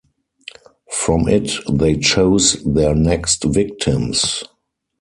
From it they chose their next victims.